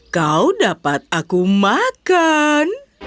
kau dapat aku makan